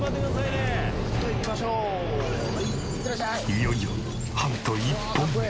いよいよハント１本目。